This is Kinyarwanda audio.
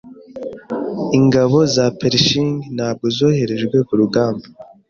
Ingabo za Pershing ntabwo zoherejwe kurugamba.